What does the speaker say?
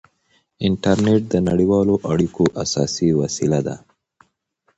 انټرنېټ د نړیوالو اړیکو اساسي وسیله ده.